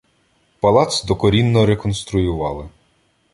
Палац докорінно реконструювали.